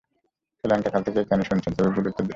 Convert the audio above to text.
সেই লেংটা কাল থেকে এই কাহিনী শুনছেন, তবুও ভুল উত্তর দিলেন!